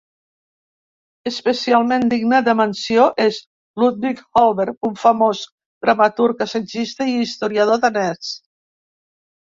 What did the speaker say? Especialment digne de menció és Ludvig Holberg, un famós dramaturg, assagista i historiador danès.